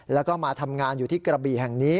แล้วก็มาทำงานอยู่ที่กระบี่แห่งนี้